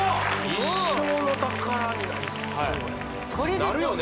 一生の宝になりそうやね